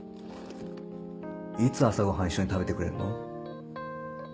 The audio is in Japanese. いつ朝ごはん一緒に食べてくれるの？